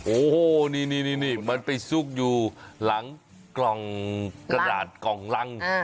โอ้โหนี่มันไปซุกอยู่หลังกล่องกระดาษกล่องรัง